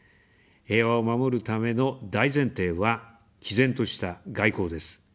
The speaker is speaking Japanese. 平和を守るための大前提は、きぜんとした外交です。